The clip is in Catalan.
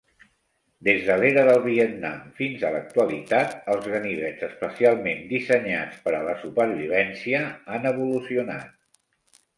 Des de l'era del Vietnam fins a l'actualitat, els ganivets especialment dissenyats per a la supervivència han evolucionat.